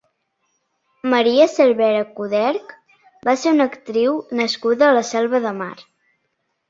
Maria Cervera Coderch va ser una actriu nascuda a la Selva de Mar.